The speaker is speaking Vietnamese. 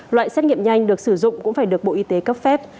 loại xét nghiệm nhanh được sử dụng cũng phải được bộ y tế cấp phép